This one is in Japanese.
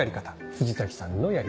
藤崎さんのやり方